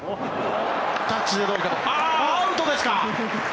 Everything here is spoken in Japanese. アウトですか。